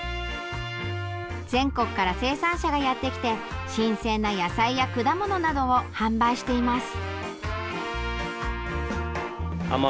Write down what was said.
全国から生産者がやってきて新鮮な野菜や果物などを販売しています。